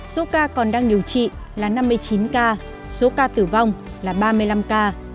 số ca còn đang điều trị là năm mươi chín ca số ca tử vong là ba mươi năm ca